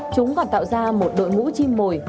chúng còn tạo ra một đội ngũ chim mồi